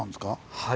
はい。